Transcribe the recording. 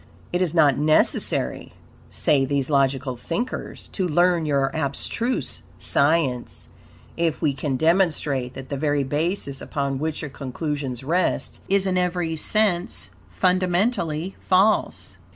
It is not necessary," say these logical thinkers, "to learn your abstruse science if we can demonstrate that the very basis upon which your conclusions rest is in every sense fundamentally false."